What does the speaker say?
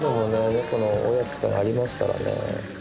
猫のおやつありますからね。